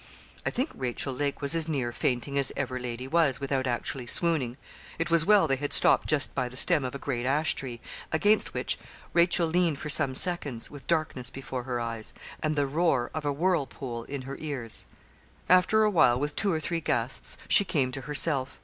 I think Rachel Lake was as near fainting as ever lady was, without actually swooning. It was well they had stopped just by the stem of a great ash tree, against which Rachel leaned for some seconds, with darkness before her eyes, and the roar of a whirlpool in her ears. After a while, with two or three gasps, she came to herself.